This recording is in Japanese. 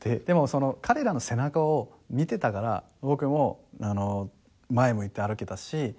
でもその彼らの背中を見てたから僕も前向いて歩けたし。